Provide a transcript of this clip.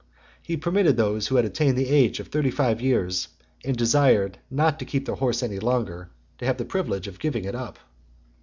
He permitted those who had attained the age of thirty five years, and desired not to keep their horse any longer, to have the privilege of giving it up.